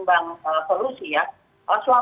selama ini kalau berat itu diurus oleh sebuah perusahaan